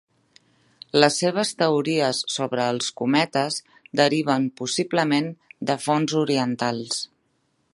Les seves teories sobre els cometes deriven possiblement de fonts orientals.